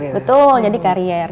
betul jadi karier